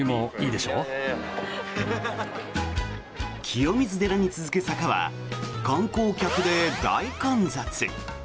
清水寺に続く坂は観光客で大混雑。